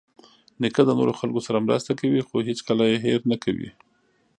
نیکه د نورو خلکو سره مرسته کوي، خو هیڅکله یې هېر نه کوي.